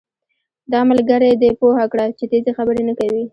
دا ملګری دې پوهه کړه چې تېزي خبرې نه کوي